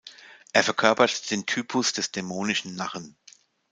Er verkörpert den Typus des dämonischen Narren.